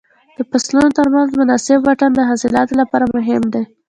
د فصلونو تر منځ مناسب واټن د حاصلاتو لپاره مهم دی.